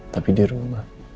tapi di rumah